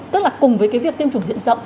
tức là cùng với cái việc tiêm chủng diện rộng